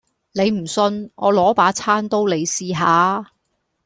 你唔信，我攞把餐刀你試下